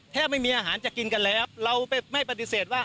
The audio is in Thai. ไม่มีอาหารจะกินกันแล้วเราไม่ปฏิเสธว่า